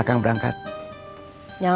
akang berangkat dari rumah pride pemangsa